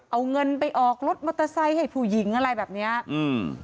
เอาเงินไปออกรถมอเตอร์ไซค์ให้ผู้หญิงอะไรแบบเนี้ยอืม